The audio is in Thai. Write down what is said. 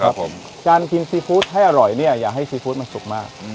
ครับผมการกินซีฟู้ดให้อร่อยเนี่ยอย่าให้ซีฟู้ดมันสุกมาก